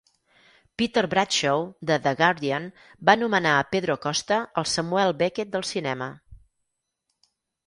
Peter Bradshaw, de "The Guardian", va anomenar a Pedro Costa "el Samuel Beckett del cinema".